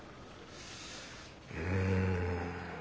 うん。